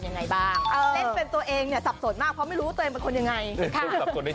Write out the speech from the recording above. น้องกระดาษอีกท่านหนึ่งก็คือด้านนั้น